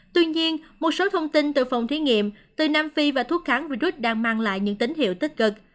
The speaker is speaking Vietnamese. tuy nhiên một số thông tin từ phòng thí nghiệm từ nam phi và thuốc kháng virus đang mang lại những tín hiệu tích cực